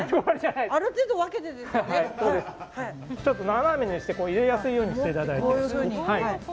斜めにして入れやすいようにしていただいて。